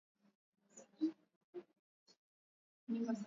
“Tunashuhudia unyanyasaji kutoka pande zote katika mzozo” aliongeza Valentine